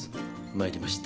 参りました。